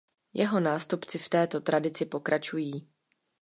Jeho nástupci v této tradici pokračují.